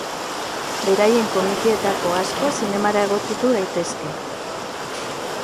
Beraien komikietako asko zinemara egokitu daitezke.